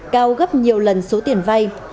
cao gấp nhiều lần số tiền vay